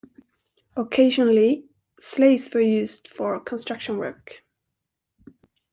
Occasionally, slaves were used for construction work.